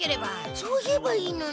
そう言えばいいのに。